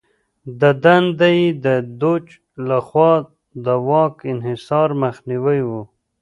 د دنده یې د دوج لخوا د واک انحصار مخنیوی و.